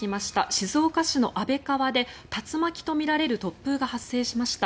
静岡市の安倍川で竜巻とみられる突風が発生しました。